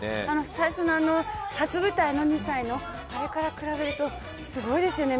最初の初舞台の２歳の時のあれから比べるとすごいですよね。